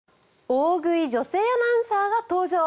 大食い女性アナウンサーが登場。